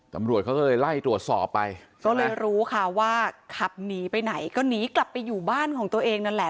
ตำรวจเขาก็เลยไล่ตรวจสอบไปก็เลยรู้ค่ะว่าขับหนีไปไหนก็หนีกลับไปอยู่บ้านของตัวเองนั่นแหละ